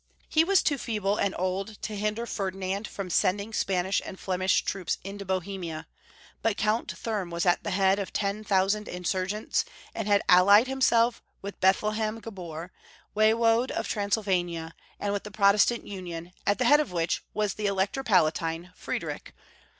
He was too feeble and old to hinder Ferdinand from sending Spanish and Flem ish troops into Bohemia, but Count Thurm was at the head of ten thousand insurgent, and had allied himself with Eethlem Gabor, Waiwode of Transyl vania, and with the Protestant Union, at the head of which was the Elector Palatine, Friedrich, the 328 Young Folka^ History of Germany.